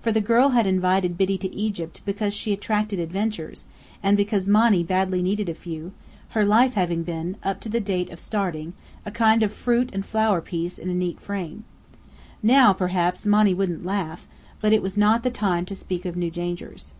For the girl had invited Biddy to Egypt "because she attracted adventures," and because Monny badly needed a few, her life having been, up to the date of starting, a "kind of fruit and flower piece in a neat frame." Now, perhaps Monny wouldn't laugh; but it was not the time to speak of new dangers.